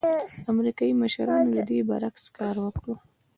امریکايي مشرانو د دې برعکس کار وکړ.